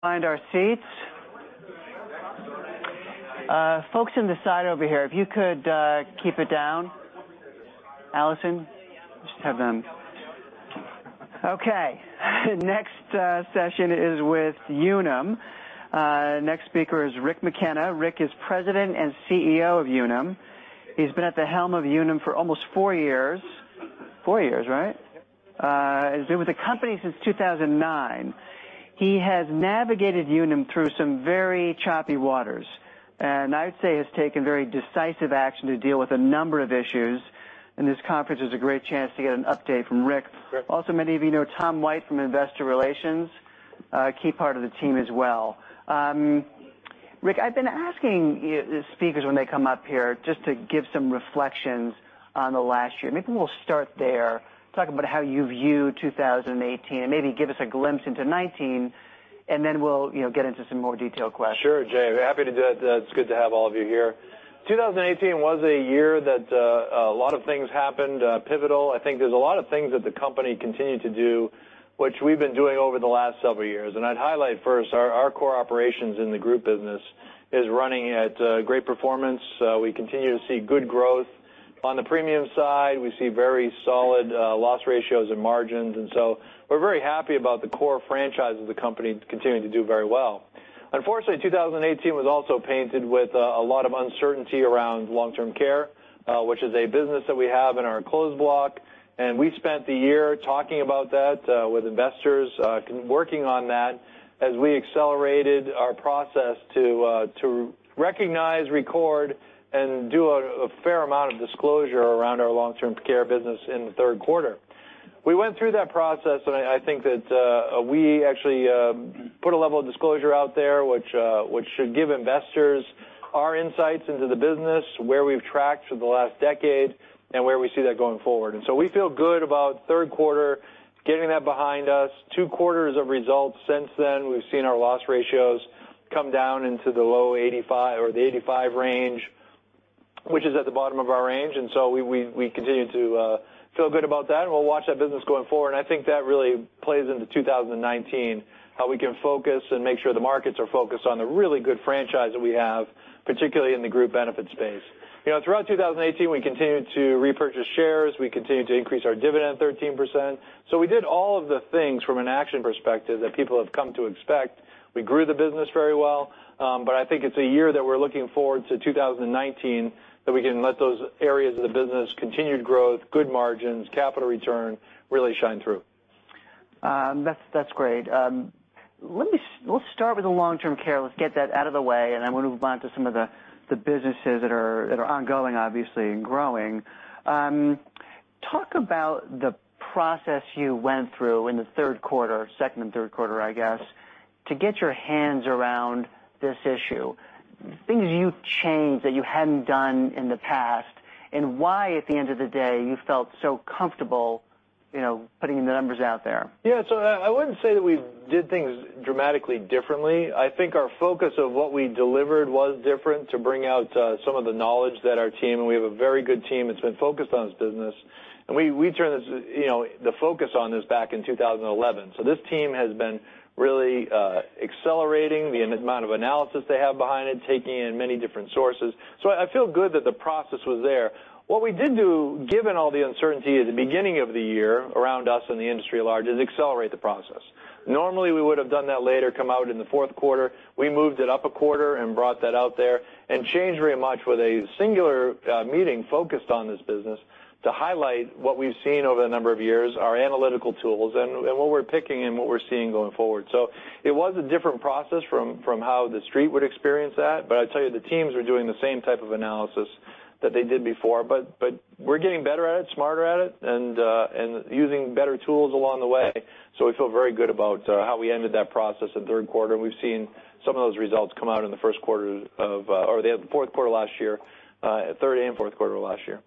Find our seats. Folks in the side over here, if you could keep it down. Allison? Yeah. Just have them Okay. Next session is with Unum. Next speaker is Rick McKenney. Rick is President and CEO of Unum. He's been at the helm of Unum for almost four years. Four years, right? Yep. He's been with the company since 2009. He has navigated Unum through some very choppy waters, I'd say has taken very decisive action to deal with a number of issues, this conference is a great chance to get an update from Rick. Great. Also, many of you know Tom White from Investor Relations, a key part of the team as well. Rick, I've been asking the speakers when they come up here just to give some reflections on the last year. Maybe we'll start there, talk about how you view 2018, maybe give us a glimpse into 2019, then we'll get into some more detailed questions. Sure, Jay. Happy to do that. It's good to have all of you here. 2018 was a year that a lot of things happened, pivotal. I think there's a lot of things that the company continued to do, which we've been doing over the last several years. I'd highlight first our core operations in the Group business is running at great performance. We continue to see good growth. On the premium side, we see very solid loss ratio and margins. We're very happy about the core franchise of the company continuing to do very well. Unfortunately, 2018 was also painted with a lot of uncertainty around Long-Term Care, which is a business that we have in our closed block. We spent the year talking about that with investors, working on that as we accelerated our process to recognize, record, and do a fair amount of disclosure around our Long-Term Care business in the third quarter. We went through that process. I think that we actually put a level of disclosure out there which should give investors our insights into the business, where we've tracked for the last decade, and where we see that going forward. We feel good about third quarter, getting that behind us. Two quarters of results since then, we've seen our loss ratio come down into the low 85 or the 85 range, which is at the bottom of our range. We continue to feel good about that, and we'll watch that business going forward. I think that really plays into 2019, how we can focus and make sure the markets are focused on the really good franchise that we have, particularly in the group benefit space. Throughout 2018, we continued to repurchase shares. We continued to increase our dividend 13%. We did all of the things from an action perspective that people have come to expect. We grew the business very well. I think it's a year that we're looking forward to 2019, that we can let those areas of the business, continued growth, good margins, capital return, really shine through. That's great. Let's start with the Long-Term Care. Let's get that out of the way. Then we'll move on to some of the businesses that are ongoing, obviously, and growing. Talk about the process you went through in the third quarter, second and third quarter, I guess, to get your hands around this issue, things you've changed that you hadn't done in the past. Why, at the end of the day, you felt so comfortable putting the numbers out there. I wouldn't say that we did things dramatically differently. I think our focus of what we delivered was different to bring out some of the knowledge that our team, and we have a very good team that's been focused on this business. We turned the focus on this back in 2011. This team has been really accelerating the amount of analysis they have behind it, taking in many different sources. I feel good that the process was there. What we did do, given all the uncertainty at the beginning of the year around us and the industry at large, is accelerate the process. Normally, we would've done that later, come out in the fourth quarter. We moved it up a quarter and brought that out there and changed very much with a singular meeting focused on this business to highlight what we've seen over a number of years, our analytical tools, and what we're picking and what we're seeing going forward. It was a different process from how the Street would experience that, but I tell you, the teams are doing the same type of analysis that they did before. We're getting better at it, smarter at it, and using better tools along the way, so we feel very good about how we ended that process in the third quarter, and we've seen some of those results come out in the first quarter or the fourth quarter last year, third and fourth quarter of last year.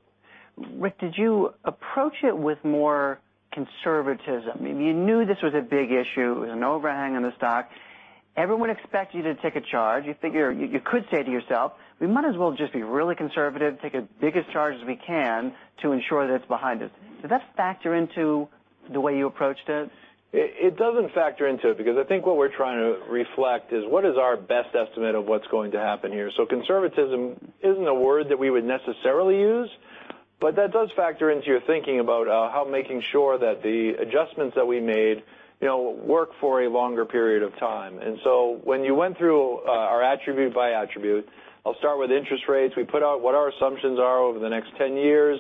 Rick, did you approach it with more conservatism? You knew this was a big issue. It was an overhang on the stock. Everyone expects you to take a charge. You could say to yourself, "We might as well just be really conservative, take as big a charge as we can to ensure that it's behind us." Did that factor into the way you approached it? It doesn't factor into it because I think what we're trying to reflect is what is our best estimate of what's going to happen here. Conservatism isn't a word that we would necessarily use, but that does factor into your thinking about how making sure that the adjustments that we made work for a longer period of time. When you went through our attribute by attribute, I'll start with interest rates. We put out what our assumptions are over the next 10 years.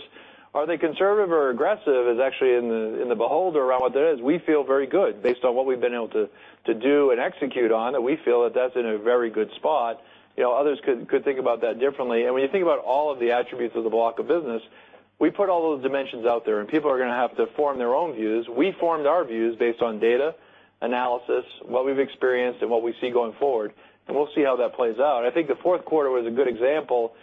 Are they conservative or aggressive is actually in the beholder around what that is. We feel very good based on what we've been able to do and execute on, and we feel that that's in a very good spot. Others could think about that differently. When you think about all of the attributes of the block of business, we put all those dimensions out there, people are going to have to form their own views. We formed our views based on data, analysis, what we've experienced, what we see going forward, we'll see how that plays out. I think the fourth quarter was a good example.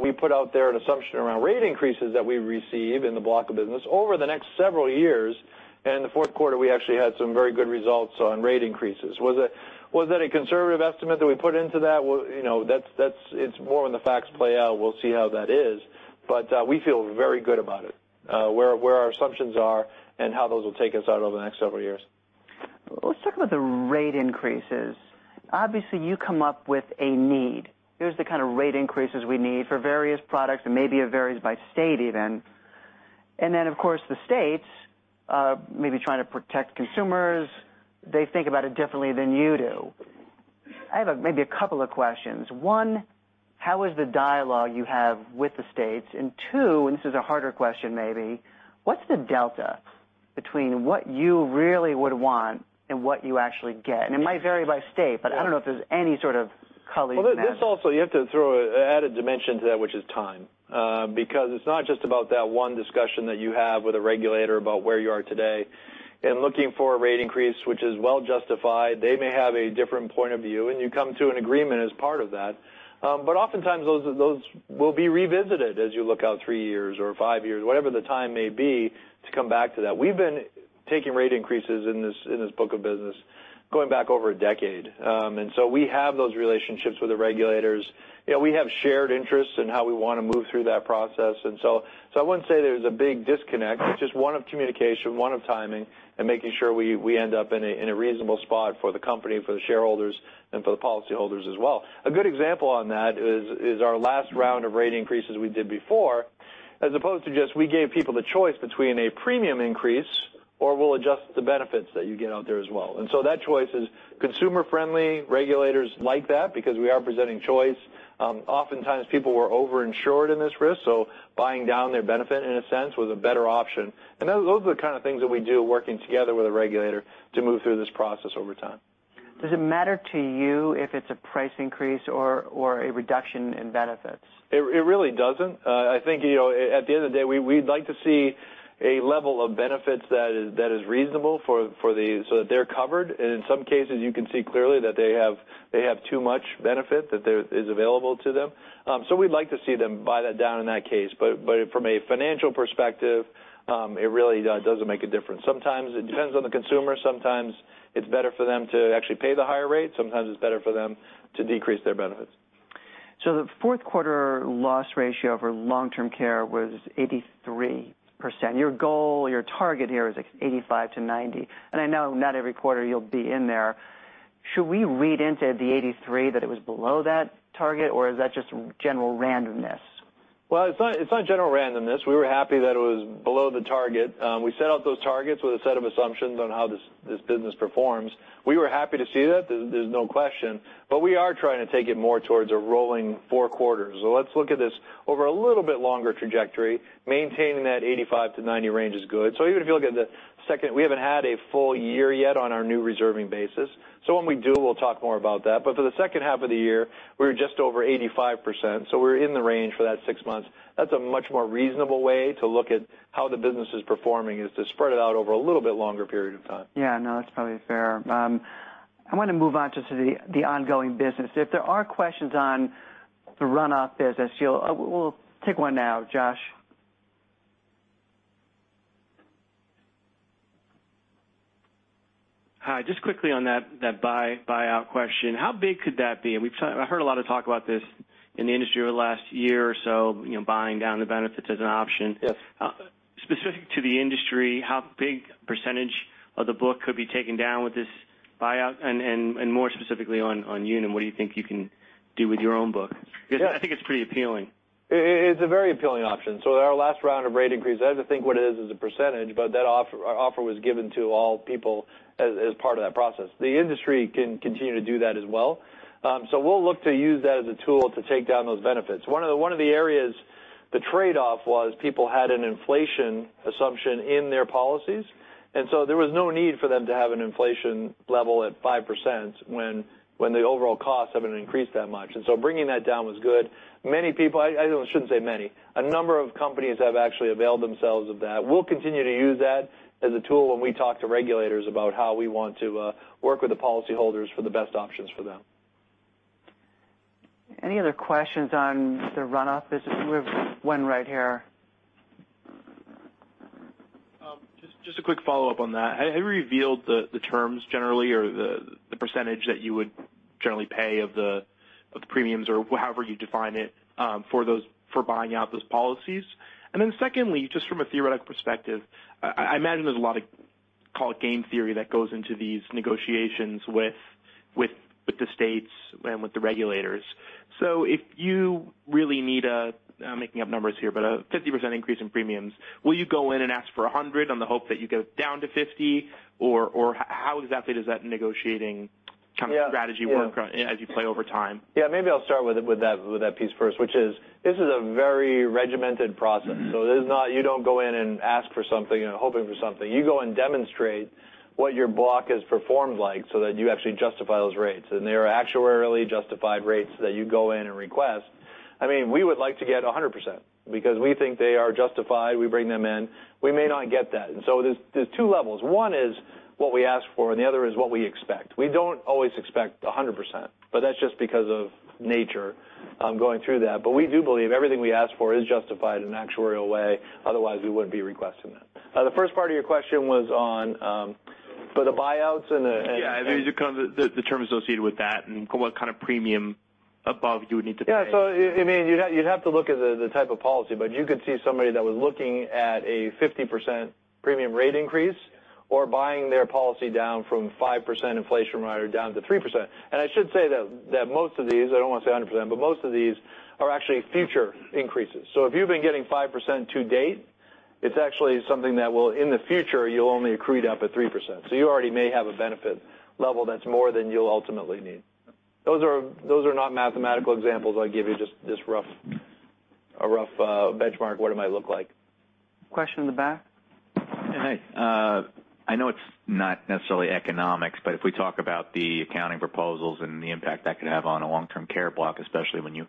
We put out there an assumption around rate increases that we receive in the block of business over the next several years, in the fourth quarter, we actually had some very good results on rate increases. Was that a conservative estimate that we put into that? It's more when the facts play out, we'll see how that is. We feel very good about it, where our assumptions are and how those will take us out over the next several years. Let's talk about the rate increases. Obviously, you come up with a need. Here's the kind of rate increases we need for various products, maybe it varies by state even. Then, of course, the states, maybe trying to protect consumers, they think about it differently than you do. I have maybe a couple of questions. One, how is the dialogue you have with the states? Two, this is a harder question maybe, what's the delta between what you really would want and what you actually get? It might vary by state, but I don't know if there's any sort of college math. This also, you have to throw an added dimension to that, which is time. Because it's not just about that one discussion that you have with a regulator about where you are today and looking for a rate increase which is well justified. They may have a different point of view, you come to an agreement as part of that. Oftentimes those will be revisited as you look out three years or five years, whatever the time may be, to come back to that. We've been taking rate increases in this book of business going back over a decade. So we have those relationships with the regulators. We have shared interests in how we want to move through that process, so I wouldn't say there's a big disconnect. It's just one of communication, one of timing, making sure we end up in a reasonable spot for the company, for the shareholders, for the policy holders as well. A good example on that is our last round of rate increases we did before, as opposed to just we gave people the choice between a premium increase or we'll adjust the benefits that you get out there as well. So that choice is consumer friendly. Regulators like that because we are presenting choice. Oftentimes, people were over-insured in this risk, so buying down their benefit, in a sense, was a better option. Those are the kind of things that we do working together with a regulator to move through this process over time. Does it matter to you if it's a price increase or a reduction in benefits? It really doesn't. I think, at the end of the day, we'd like to see a level of benefits that is reasonable so that they're covered. In some cases, you can see clearly that they have too much benefit that is available to them. We'd like to see them buy that down in that case. From a financial perspective, it really doesn't make a difference. Sometimes it depends on the consumer. Sometimes it's better for them to actually pay the higher rate. Sometimes it's better for them to decrease their benefits. The fourth quarter loss ratio for long-term care was 83%. Your goal, your target here is 85%-90%. I know not every quarter you'll be in there. Should we read into the 83 that it was below that target, or is that just general randomness? Well, it's not general randomness. We were happy that it was below the target. We set out those targets with a set of assumptions on how this business performs. We were happy to see that, there's no question, we are trying to take it more towards a rolling four quarters. Let's look at this over a little bit longer trajectory. Maintaining that 85%-90% range is good. Even if you look at the second, we haven't had a full year yet on our new reserving basis. When we do, we'll talk more about that. For the second half of the year, we were just over 85%, so we're in the range for that six months. That's a much more reasonable way to look at how the business is performing, is to spread it out over a little bit longer period of time. Yeah, no, that's probably fair. I want to move on just to the ongoing business. If there are questions on the runoff business, we'll take one now. Josh? Hi. Just quickly on that buyout question, how big could that be? I've heard a lot of talk about this in the industry over the last year or so, buying down the benefits as an option. Yes. Specific to the industry, how big a % of the book could be taken down with this buyout, and more specifically on Unum, what do you think you can do with your own book? Yeah. I think it's pretty appealing. It's a very appealing option. Our last round of rate increase, I have to think what it is as a percentage, that offer was given to all people as part of that process. The industry can continue to do that as well. We'll look to use that as a tool to take down those benefits. One of the areas the trade-off was people had an inflation assumption in their policies, there was no need for them to have an inflation level at 5% when the overall costs haven't increased that much. Bringing that down was good. Many people, I shouldn't say many, a number of companies have actually availed themselves of that. We'll continue to use that as a tool when we talk to regulators about how we want to work with the policyholders for the best options for them. Any other questions on the runoff business? We have one right here. Just a quick follow-up on that. Have you revealed the terms generally or the percentage that you would generally pay of the premiums or however you define it, for buying out those policies? Secondly, just from a theoretical perspective, I imagine there's a lot of, call it game theory, that goes into these negotiations with the states and with the regulators. If you really need a, I'm making up numbers here, a 50% increase in premiums, will you go in and ask for 100 on the hope that you go down to 50? Or how exactly does that negotiating kind of strategy work as you play over time? Maybe I'll start with that piece first, which is this is a very regimented process. You don't go in and ask for something and hoping for something. You go and demonstrate what your block has performed like so that you actually justify those rates. They are actuarially justified rates that you go in and request. We would like to get 100% because we think they are justified. We bring them in. We may not get that. There's two levels. One is what we ask for, and the other is what we expect. We don't always expect 100%, that's just because of nature going through that. We do believe everything we ask for is justified in an actuarial way. Otherwise, we wouldn't be requesting that. The first part of your question was on For the buyouts and the- Yeah, I mean, just kind of the terms associated with that and what kind of premium above you would need to pay. Yeah. You'd have to look at the type of policy, but you could see somebody that was looking at a 50% premium rate increase or buying their policy down from 5% inflation rider down to 3%. I should say that most of these, I don't want to say 100%, but most of these are actually future increases. If you've been getting 5% to date, it's actually something that will, in the future, you'll only accrue it up at 3%. You already may have a benefit level that's more than you'll ultimately need. Those are not mathematical examples I give you, just a rough benchmark what it might look like. Question in the back? Hey. I know it's not necessarily economics, but if we talk about the accounting proposals and the impact that could have on a Long-Term Care block, especially when you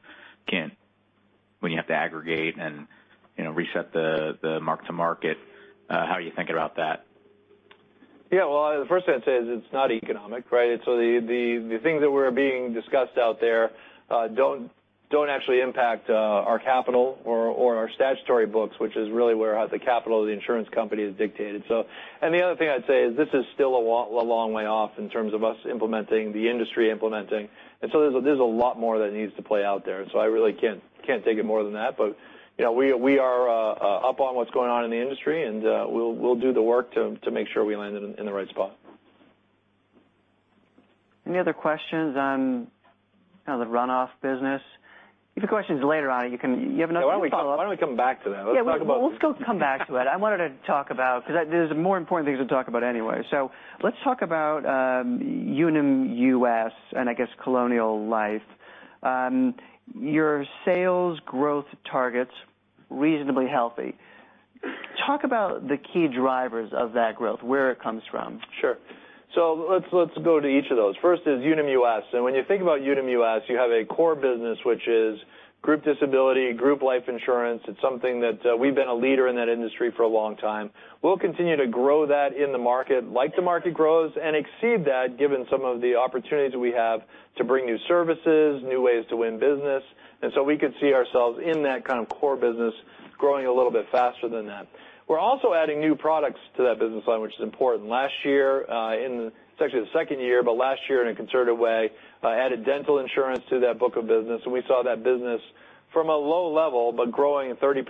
have to aggregate and reset the mark-to-market, how are you thinking about that? Yeah. Well, the first thing I'd say is it's not economic, right? The things that were being discussed out there don't actually impact our capital or our statutory books, which is really where the capital of the insurance company is dictated. The other thing I'd say is this is still a long way off in terms of us implementing, the industry implementing, there's a lot more that needs to play out there. I really can't take it more than that. We are up on what's going on in the industry, and we'll do the work to make sure we land in the right spot. Any other questions on kind of the runoff business? If you have questions later on, you have enough to follow up. Why don't we come back to that? Yeah. Well, let's go come back to it. I wanted to talk about because there's more important things to talk about anyway. Let's talk about Unum US and I guess Colonial Life. Your sales growth target's reasonably healthy. Talk about the key drivers of that growth, where it comes from. Sure. Let's go to each of those. First is Unum US, when you think about Unum US, you have a core business, which is group disability, group life insurance. It's something that we've been a leader in that industry for a long time. We'll continue to grow that in the market like the market grows and exceed that given some of the opportunities we have to bring new services, new ways to win business. We could see ourselves in that kind of core business growing a little bit faster than that. We're also adding new products to that business line, which is important. Last year in, it's actually the second year, but last year in a concerted way added dental insurance to that book of business, we saw that business from a low level but growing at 30%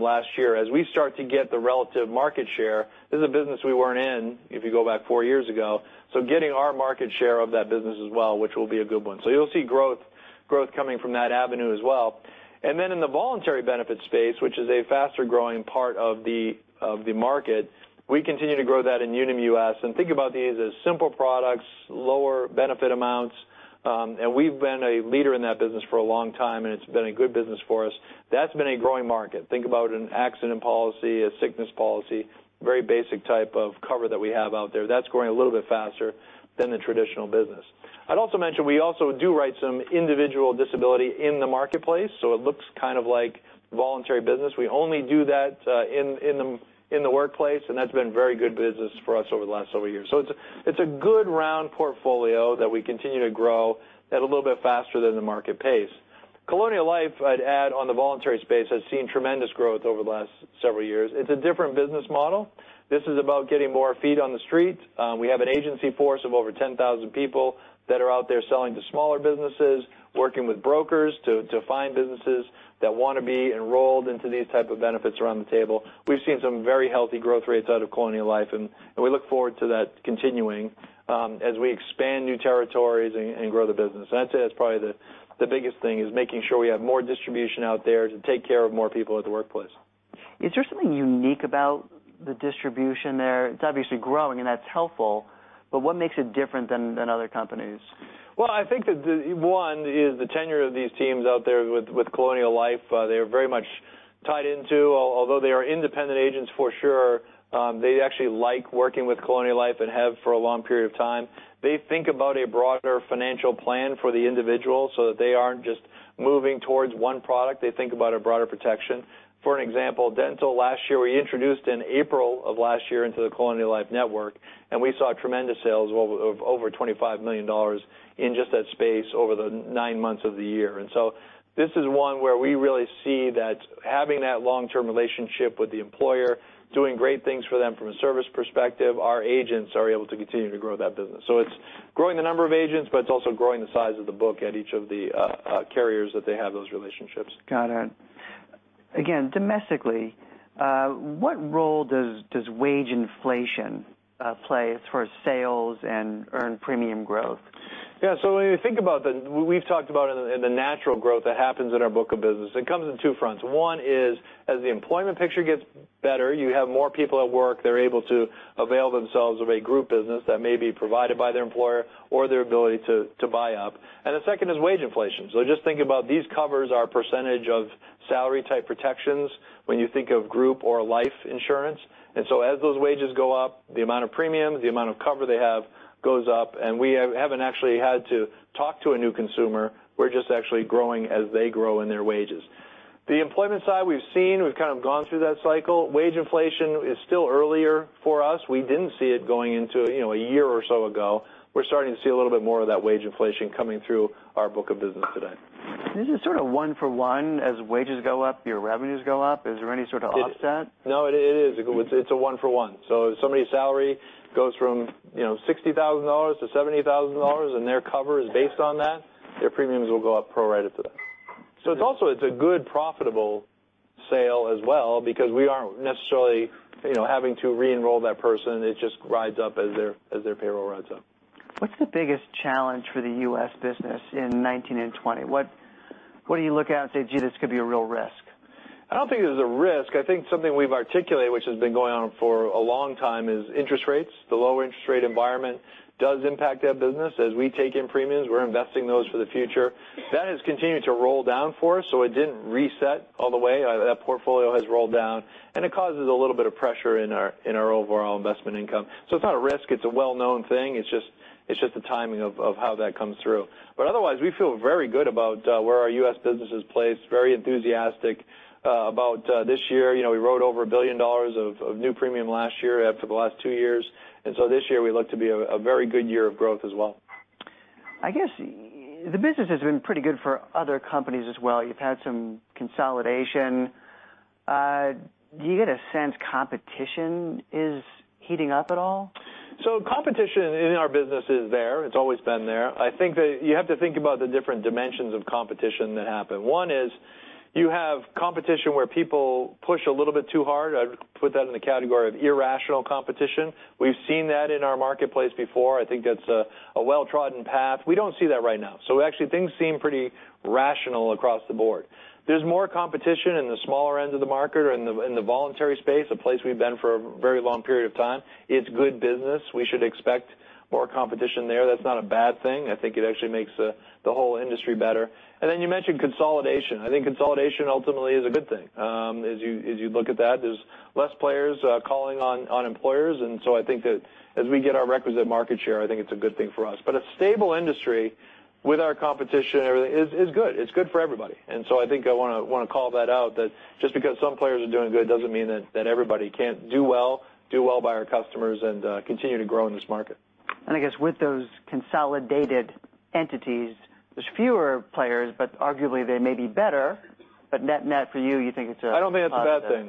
last year. As we start to get the relative market share, this is a business we weren't in if you go back four years ago, getting our market share of that business as well, which will be a good one. You'll see growth coming from that avenue as well. In the voluntary benefit space, which is a faster-growing part of the market, we continue to grow that in Unum US and think about these as simpler products, lower benefit amounts. We've been a leader in that business for a long time, and it's been a good business for us. That's been a growing market. Think about an Accident Policy, a sickness policy, very basic type of cover that we have out there. That's growing a little bit faster than the traditional business. I'd also mention we also do write some individual disability in the marketplace, it looks kind of like voluntary business. We only do that in the workplace, and that's been very good business for us over the last several years. It's a good round portfolio that we continue to grow at a little bit faster than the market pace. Colonial Life, I'd add on the voluntary space, has seen tremendous growth over the last several years. It's a different business model. This is about getting more feet on the street. We have an agency force of over 10,000 people that are out there selling to smaller businesses, working with brokers to find businesses that want to be enrolled into these type of benefits around the table. We've seen some very healthy growth rates out of Colonial Life, we look forward to that continuing as we expand new territories and grow the business. I'd say that's probably the biggest thing is making sure we have more distribution out there to take care of more people at the workplace. Is there something unique about the distribution there? It's obviously growing and that's helpful, but what makes it different than other companies? Well, I think that one is the tenure of these teams out there with Colonial Life. They're very much tied into, although they are independent agents for sure, they actually like working with Colonial Life and have for a long period of time. They think about a broader financial plan for the individual so that they aren't just moving towards one product. They think about a broader protection. For an example, dental last year we introduced in April of last year into the Colonial Life network. We saw tremendous sales of over $25 million in just that space over the nine months of the year. This is one where we really see that having that long-term relationship with the employer, doing great things for them from a service perspective, our agents are able to continue to grow that business. It's growing the number of agents, but it's also growing the size of the book at each of the carriers that they have those relationships. Got it. Again, domestically, what role does wage inflation play as far as sales and earned premium growth? Yeah. When you think about the natural growth that happens in our book of business, it comes in two fronts. One is as the employment picture gets better, you have more people at work. They're able to avail themselves of a group business that may be provided by their employer or their ability to buy up. The second is wage inflation. Just think about these covers are percentage of salary-type protections when you think of group or life insurance, as those wages go up, the amount of premium, the amount of cover they have goes up, and we haven't actually had to talk to a new consumer. We're just actually growing as they grow in their wages. The employment side we've seen, we've kind of gone through that cycle. Wage inflation is still earlier for us. We didn't see it going into a year or so ago. We're starting to see a little bit more of that wage inflation coming through our book of business today. Is it sort of one for one? As wages go up, your revenues go up? Is there any sort of offset? No, it is. It's a one for one. If somebody's salary goes from $60,000 to $70,000, and their cover is based on that, their premiums will go up pro rata to that. It's also a good profitable sale as well because we aren't necessarily having to re-enroll that person. It just rides up as their payroll rides up. What's the biggest challenge for the U.S. business in 2019 and 2020? What do you look at and say, "Gee, this could be a real risk? I don't think there's a risk. I think something we've articulated, which has been going on for a long time, is interest rates. The low interest rate environment does impact our business. As we take in premiums, we're investing those for the future. That has continued to roll down for us, so it didn't reset all the way. That portfolio has rolled down, and it causes a little bit of pressure in our overall investment income. It's not a risk. It's a well-known thing. It's just the timing of how that comes through. Otherwise, we feel very good about where our U.S. business is placed, very enthusiastic about this year. We wrote over $1 billion of new premium last year, for the last two years, this year we look to be a very good year of growth as well. I guess the business has been pretty good for other companies as well. You've had some consolidation. Do you get a sense competition is heating up at all? Competition in our business is there. It's always been there. I think that you have to think about the different dimensions of competition that happen. One is you have competition where people push a little bit too hard. I'd put that in the category of irrational competition. We've seen that in our marketplace before. I think that's a well-trodden path. We don't see that right now. Actually things seem pretty rational across the board. There's more competition in the smaller ends of the market, in the voluntary space, a place we've been for a very long period of time. It's good business. We should expect more competition there. That's not a bad thing. I think it actually makes the whole industry better. You mentioned consolidation. I think consolidation ultimately is a good thing. As you look at that, there's less players calling on employers. I think that as we get our requisite market share, I think it's a good thing for us. A stable industry with our competition and everything is good. It's good for everybody. I think I want to call that out, that just because some players are doing good doesn't mean that everybody can't do well by our customers and continue to grow in this market. I guess with those consolidated entities, there's fewer players. Arguably they may be better. Net for you think it's a positive.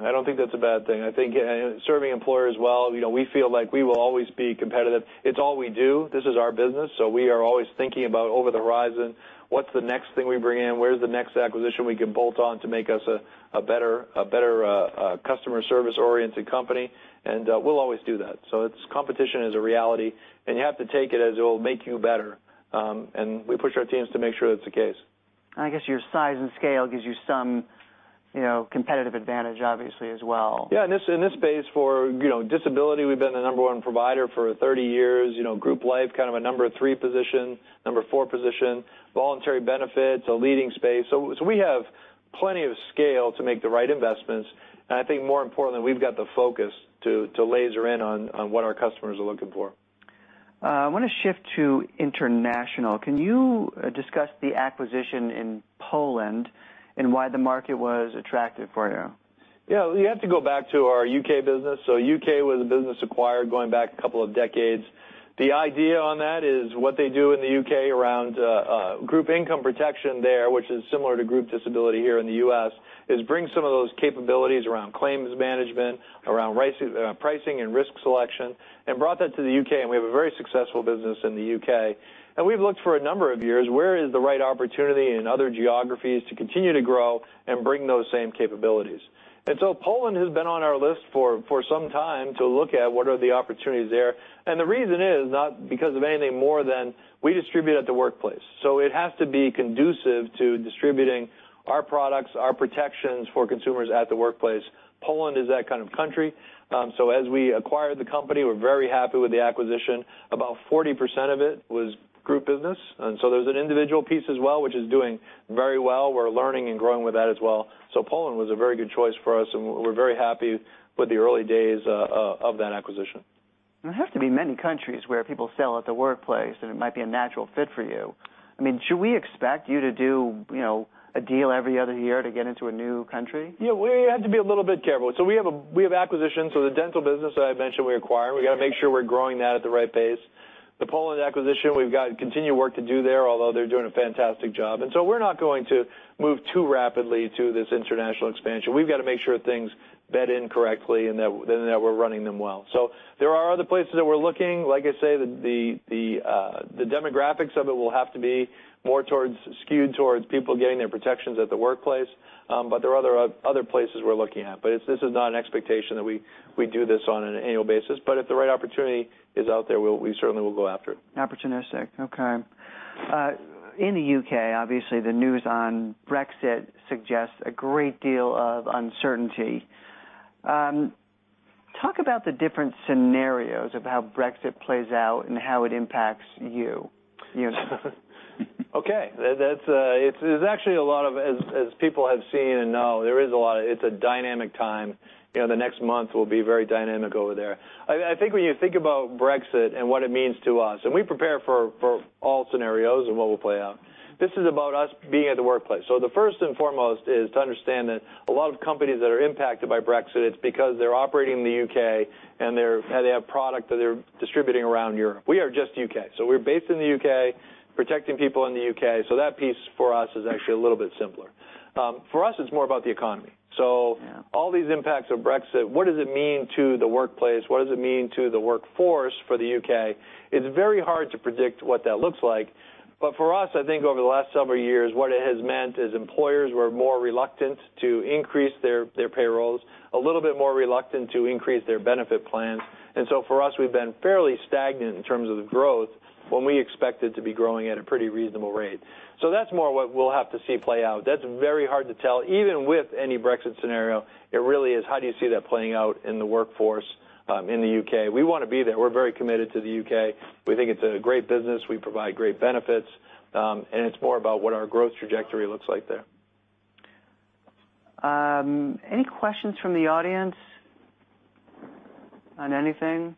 I don't think that's a bad thing. I think serving employers well, we feel like we will always be competitive. It's all we do. This is our business. We are always thinking about over the horizon, what's the next thing we bring in? Where's the next acquisition we can bolt on to make us a better customer service-oriented company? We'll always do that. Competition is a reality. You have to take it as it will make you better. We push our teams to make sure that's the case. I guess your size and scale gives you some competitive advantage, obviously, as well. Yeah, in this space for disability, we've been the number one provider for 30 years. group life insurance, kind of a number three position, number four position. Voluntary Benefits, a leading space. We have plenty of scale to make the right investments, and I think more importantly, we've got the focus to laser in on what our customers are looking for. I want to shift to international. Can you discuss the acquisition in Poland and why the market was attractive for you? Yeah. You have to go back to our U.K. business. U.K. was a business acquired going back a couple of decades. The idea on that is what they do in the U.K. around Group Income Protection there, which is similar to group disability insurance here in the U.S., is bring some of those capabilities around claims management, around pricing and risk selection, and brought that to the U.K., and we have a very successful business in the U.K. We've looked for a number of years, where is the right opportunity in other geographies to continue to grow and bring those same capabilities? Poland has been on our list for some time to look at what are the opportunities there. The reason is not because of anything more than we distribute at the workplace. It has to be conducive to distributing our products, our protections for consumers at the workplace. Poland is that kind of country. As we acquired the company, we're very happy with the acquisition. About 40% of it was group business, there's an individual piece as well, which is doing very well. We're learning and growing with that as well. Poland was a very good choice for us, and we're very happy with the early days of that acquisition. There have to be many countries where people sell at the workplace, it might be a natural fit for you. Should we expect you to do a deal every other year to get into a new country? Yeah, we have to be a little bit careful. We have acquisitions. The dental business that I mentioned we acquired, we got to make sure we're growing that at the right pace. The Poland acquisition, we've got continued work to do there, although they're doing a fantastic job. We're not going to move too rapidly to this international expansion. We've got to make sure things bed in correctly and that we're running them well. There are other places that we're looking. Like I say, the demographics of it will have to be more skewed towards people getting their protections at the workplace. There are other places we're looking at, this is not an expectation that we do this on an annual basis. If the right opportunity is out there, we certainly will go after it. Opportunistic. Okay. In the U.K., obviously, the news on Brexit suggests a great deal of uncertainty. Talk about the different scenarios of how Brexit plays out and how it impacts you. Okay. As people have seen and know, it's a dynamic time. The next month will be very dynamic over there. I think when you think about Brexit and what it means to us, we prepare for all scenarios and what will play out, this is about us being at the workplace. The first and foremost is to understand that a lot of companies that are impacted by Brexit, it's because they're operating in the U.K., they have product that they're distributing around Europe. We are just U.K. We're based in the U.K., protecting people in the U.K., that piece for us is actually a little bit simpler. For us, it's more about the economy. Yeah. All these impacts of Brexit, what does it mean to the workplace? What does it mean to the workforce for the U.K.? It's very hard to predict what that looks like. For us, I think over the last several years, what it has meant is employers were more reluctant to increase their payrolls, a little bit more reluctant to increase their benefit plan. For us, we've been fairly stagnant in terms of the growth when we expected to be growing at a pretty reasonable rate. That's more what we'll have to see play out. That's very hard to tell. Even with any Brexit scenario, it really is, how do you see that playing out in the workforce in the U.K.? We want to be there. We're very committed to the U.K. We think it's a great business. We provide great benefits. It's more about what our growth trajectory looks like there. Any questions from the audience on anything?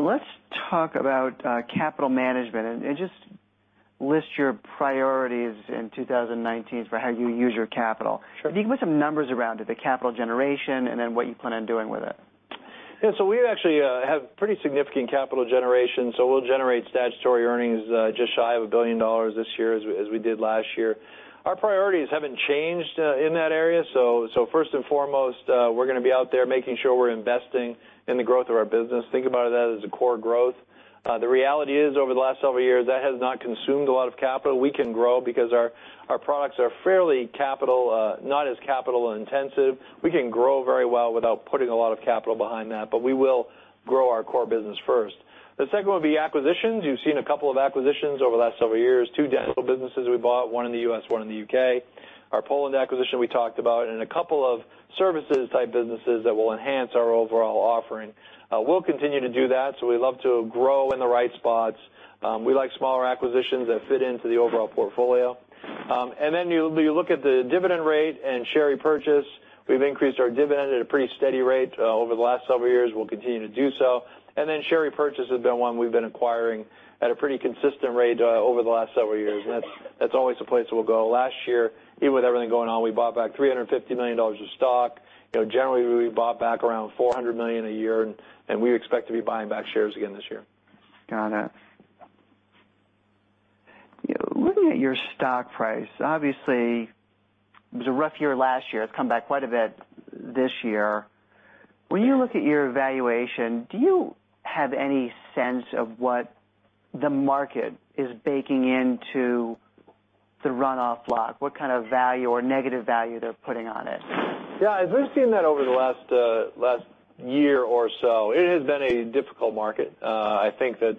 Let's talk about capital management and just list your priorities in 2019 for how you use your capital. Sure. If you can put some numbers around it, the capital generation, and then what you plan on doing with it. Yeah. We actually have pretty significant capital generation. We'll generate statutory earnings just shy of $1 billion this year, as we did last year. Our priorities haven't changed in that area. First and foremost, we're going to be out there making sure we're investing in the growth of our business. Think about that as the core growth. The reality is, over the last several years, that has not consumed a lot of capital. We can grow because our products are fairly not as capital-intensive. We can grow very well without putting a lot of capital behind that, but we will grow our core business first. The second one would be acquisitions. You've seen a couple of acquisitions over the last several years. Two dental businesses we bought, one in the U.S., one in the U.K. Our Poland acquisition we talked about, and a couple of services-type businesses that will enhance our overall offering. We'll continue to do that. We love to grow in the right spots. We like smaller acquisitions that fit into the overall portfolio. You look at the dividend rate and share repurchase. We've increased our dividend at a pretty steady rate over the last several years. We'll continue to do so. Share repurchase has been one we've been acquiring at a pretty consistent rate over the last several years. That's always a place we'll go. Last year, even with everything going on, we bought back $350 million of stock. Generally, we bought back around $400 million a year, and we expect to be buying back shares again this year. Got it. Looking at your stock price, obviously, it was a rough year last year. It's come back quite a bit this year. When you look at your evaluation, do you have any sense of what the market is baking into the closed block? What kind of value or negative value they're putting on it? Yeah. I've really seen that over the last year or so. It has been a difficult market. I think that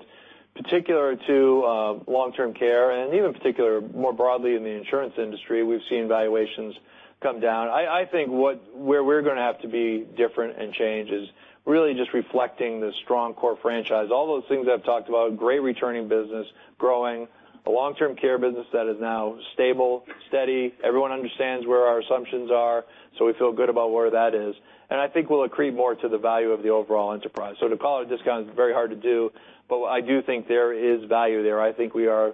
particular to long-term care and even particular more broadly in the insurance industry, we've seen valuations come down. I think where we're going to have to be different and change is really just reflecting the strong core franchise. All those things I've talked about, great returning business, growing a long-term care business that is now stable, steady. Everyone understands where our assumptions are. We feel good about where that is. I think we'll accrete more to the value of the overall enterprise. To call it a discount is very hard to do, but I do think there is value there. I think we are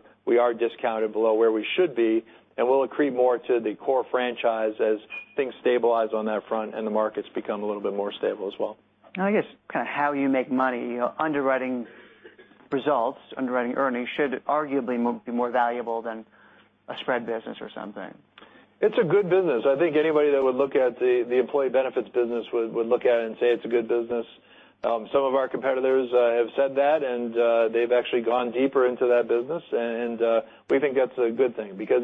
discounted below where we should be, and we'll accrete more to the core franchise as things stabilize on that front and the markets become a little bit more stable as well. I guess how you make money, underwriting results, underwriting earnings should arguably be more valuable than a spread business or something. It's a good business. I think anybody that would look at the employee benefits business would look at it and say it's a good business. Some of our competitors have said that, and they've actually gone deeper into that business. We think that's a good thing because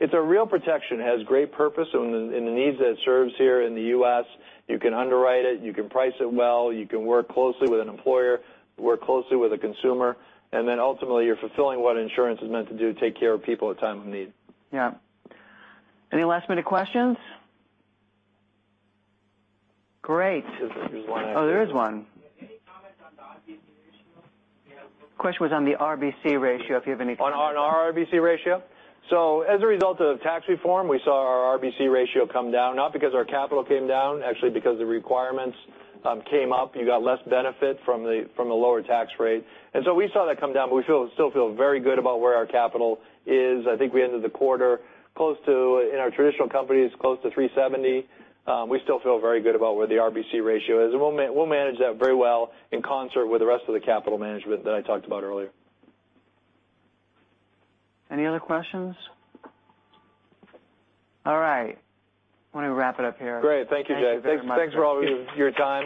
it's a real protection. It has great purpose in the needs that it serves here in the U.S. You can underwrite it. You can price it well. You can work closely with an employer, work closely with a consumer, and then ultimately, you're fulfilling what insurance is meant to do, take care of people at a time of need. Yeah. Any last-minute questions? Great. There's one. Oh, there is one. Any comment on the RBC ratio? Question was on the RBC ratio, if you have any comments. On our RBC ratio? As a result of tax reform, we saw our RBC ratio come down, not because our capital came down, actually because the requirements came up. You got less benefit from the lower tax rate. We saw that come down, but we still feel very good about where our capital is. I think we ended the quarter in our traditional companies, close to 370. We still feel very good about where the RBC ratio is, and we'll manage that very well in concert with the rest of the capital management that I talked about earlier. Any other questions? All right. Why don't we wrap it up here? Great. Thank you, Jay. Thank you very much. Thanks for all of your time.